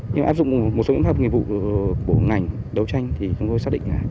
nhưng mà áp dụng một số những pháp nghiệp vụ của ngành đấu tranh thì chúng tôi xác định là